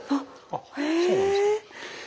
あっそうなんですか。